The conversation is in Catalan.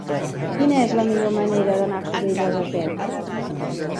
Quina és la millor manera d'anar a Cubelles a peu?